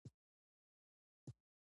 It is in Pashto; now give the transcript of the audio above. دوی کیوي او مالټې تولیدوي.